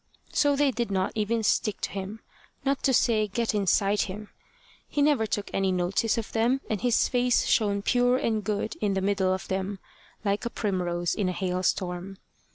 So they did not even stick to him, not to say get inside him. He never took any notice of them, and his face shone pure and good in the middle of them, like a primrose in a hailstorm.